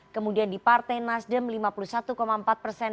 kemudian di partai nasdem lima puluh satu empat persen